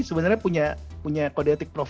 sebenarnya punya kode etik